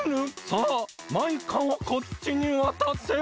さあマイカをこっちにわたせ！